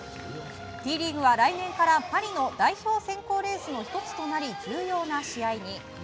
Ｔリーグは来年からパリの代表選考レースの１つとなり、重要な試合に。